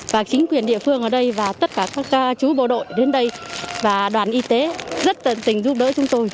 và chính quyền địa phương ở đây và tất cả các chú bộ đội đến đây và đoàn y tế rất tận tình giúp đỡ chúng tôi